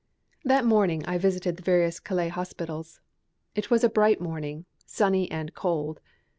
That morning I visited the various Calais hospitals. It was a bright morning, sunny and cold.